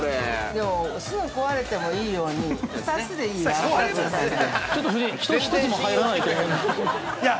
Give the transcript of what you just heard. でも、すぐ壊れてもいいように２つでいいや。